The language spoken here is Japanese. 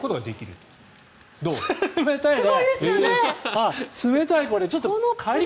冷たいね。